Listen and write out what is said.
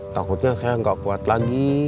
takutnya saya nggak kuat lagi